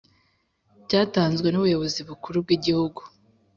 cyatanzwe n ubuyobozi bukuru bw Igihugu